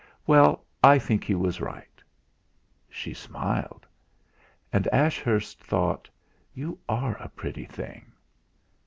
"Well, I think he was right." She smiled. And Ashurst thought: 'You are a pretty thing!'